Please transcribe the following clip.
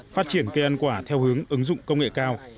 phát triển cây ăn quả theo hướng ứng dụng công nghệ cao